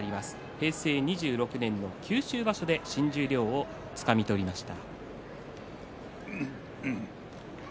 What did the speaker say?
平成２６年の九州場所で新十両をつかみ取りました。